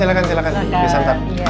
silahkan silahkan silahkan